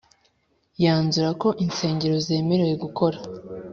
yanzura ko insengero zemerewe gukora